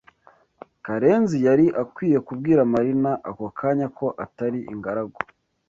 Karenzi yari akwiye kubwira Marina ako kanya ko atari ingaragu.